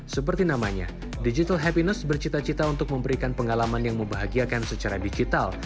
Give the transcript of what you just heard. seperti namanya digital happiness bercita cita untuk memberikan pengalaman yang membahagiakan secara digital